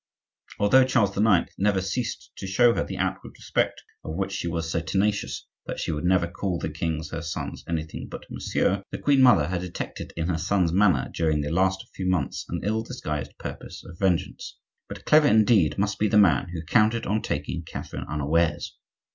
Though Charles IX. never ceased to show her the outward respect of which she was so tenacious that she would never call the kings her sons anything but "Monsieur," the queen mother had detected in her son's manner during the last few months an ill disguised purpose of vengeance. But clever indeed must be the man who counted on taking Catherine unawares.